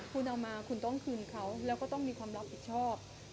คุณเอามาคุณต้องคืนเขาแล้วก็ต้องมีความรับผิดชอบ